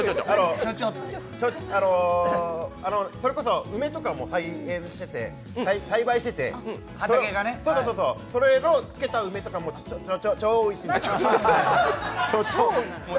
それこそ梅とかも栽培しててそれのつけた梅とかもちょちょ超おいしいです。